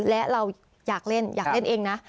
และเราอยากเล่นอยากเล่นเองนะ